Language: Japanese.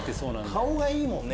顔がいいもんね